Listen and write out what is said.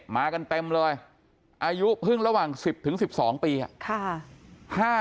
มากันเต็มเลยอายุภึ้งระหว่าง๑๐ถึง๑๒ปีค่ะ